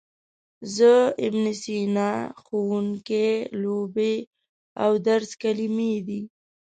زه، ابن سینا، ښوونکی، لوبې او درس کلمې دي.